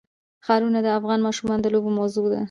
ښارونه د افغان ماشومانو د لوبو موضوع ده.